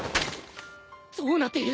どうなっている！？